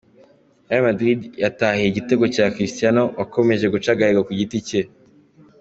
Real Madrid yatahiye igitego cya Cristiano wakomeje guca agahigo ku giti cye.